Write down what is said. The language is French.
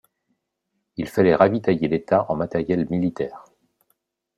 Il fallait ravitailler l'État en matériel militaire.